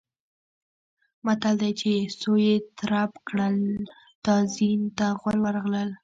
متل دی: چې سویې ترپ کړل تازي ته غول ورغلل.